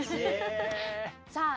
さあ